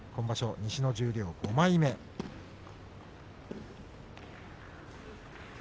西の十両５枚目です。